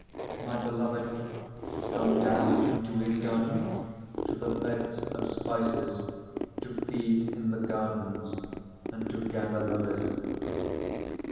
6:2 My beloved is gone down into his garden, to the beds of spices, to feed in the gardens, and to gather lilies.